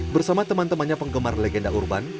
bersama teman temannya penggemar legenda urban